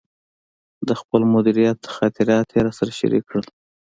د خپل مدیریت خاطرات یې راسره شریک کړل.